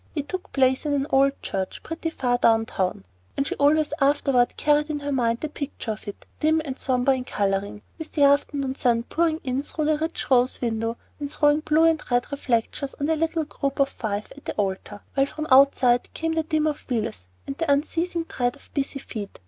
It took place in an old church, pretty far down town; and she always afterward carried in her mind the picture of it, dim and sombre in coloring, with the afternoon sun pouring in through a rich rose window and throwing blue and red reflections on the little group of five at the altar, while from outside came the din of wheels and the unceasing tread of busy feet.